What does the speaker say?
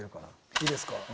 いいですか？